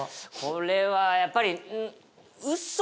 これはやっぱり。